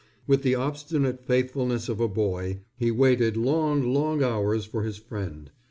With the obstinate faithfulness of a boy he waited long, long hours for his friend.